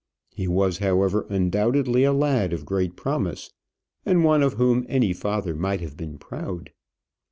He was, however, undoubtedly a lad of great promise, and one of whom any father might have been proud.